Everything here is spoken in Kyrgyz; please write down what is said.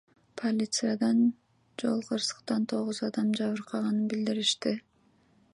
Полициядан жол кырсыктан тогуз адам жабыркаганын билдиришти.